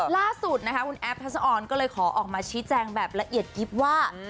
ล่าสุดนะคะคุณแอฟทัศออนก็เลยขอออกมาชี้แจงแบบละเอียดยิบว่า